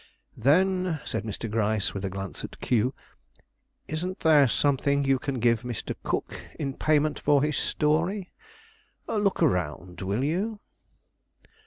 "Then," said Mr. Gryce, with a glance at Q, "isn't there something you can give Mr. Cook in payment for his story? Look around, will you?"